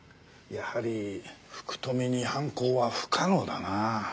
やはり福富に犯行は不可能だな。